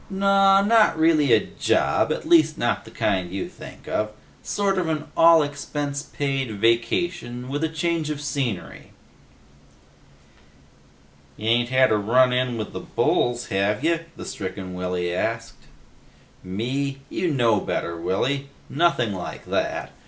"Naw, not really a job. At least not the kind you think of. Sort of an all expense paid vacation, with a change of scenery." "Ya ain't had a run in with the bulls, have ya?" the stricken Willy asked. "Me? You know me better, Willy. Nothing like that.